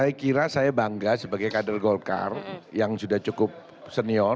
saya kira saya bangga sebagai kader golkar yang sudah cukup senior